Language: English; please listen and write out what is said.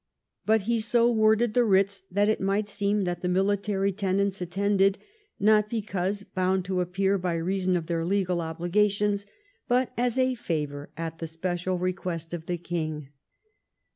But he so worded the writs that it might seem that the military tenants attended, not because bound to appear by reason of their legal obligations, but as a favour at the special request of the king.